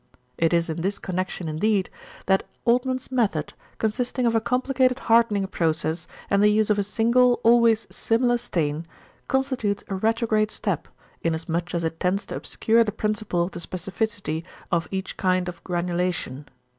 It is in this connection indeed, that Altmann's method, consisting of a complicated hardening process, and the use of a single, always similar stain, constitutes a retrograde step, in as much as it tends to obscure the principle of the specificity of each kind of granulation.